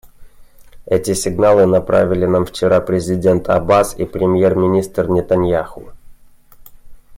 Эти сигналы направили нам вчера президент Аббас и премьер-министр Нетаньяху.